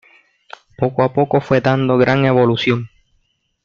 Poco a poco fue dando gran evolución.